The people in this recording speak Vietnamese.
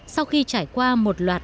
sau khi trải qua một loạt